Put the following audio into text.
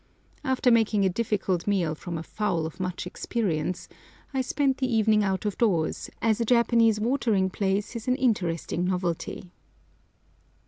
After making a difficult meal from a fowl of much experience, I spent the evening out of doors, as a Japanese watering place is an interesting novelty.